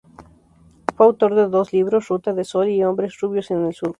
Fue autor de dos libros: "Ruta de Sol" y "Hombres Rubios en el Surco".